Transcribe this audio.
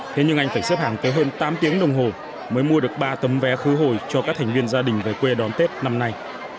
thế nhưng anh phải xếp hàng tới hơn tám tiếng đồng hồ mới mua được ba tấm vé khứ hồi cho các thành viên gia đình về quê đón tết năm nay